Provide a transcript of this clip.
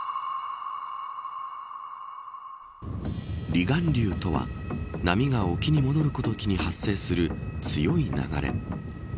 離岸流とは波が沖に戻るときに発生する強い流れ。